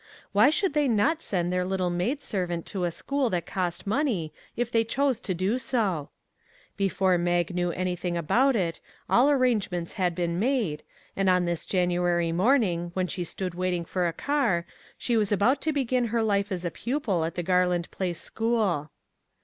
Why should they not send their little maid servant to a school that cost money, if they chose to do so ? Before Mag knew anything about it, all ar rangements had been made, and on this Janu ary morning, when she stood waiting for a car, 310 A MEMORABLE BIRTHDAY she was about to begin her life as a pupil at the Garland Place school.